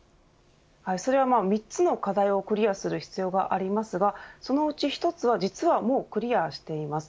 それは３つの課題をクリアする必要がありますがそのうちの１つは実はもうクリアしています。